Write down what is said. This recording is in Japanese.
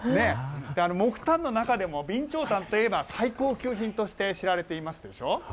木炭の中でも、備長炭といえば最高級品として知られていますでしょう？